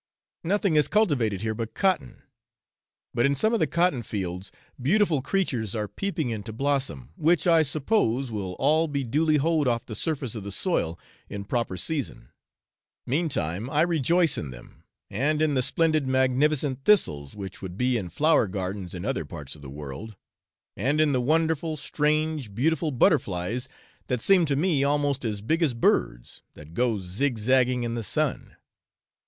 Nothing is cultivated here but cotton; but in some of the cotton fields, beautiful creatures are peeping into blossom, which I suppose will all be duly hoed off the surface of the soil in proper season: meantime I rejoice in them, and in the splendid magnificent thistles, which would be in flower gardens in other parts of the world, and in the wonderful, strange, beautiful butterflies that seem to me almost as big as birds, that go zig zagging in the sun.